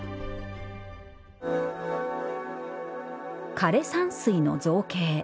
枯山水の造形。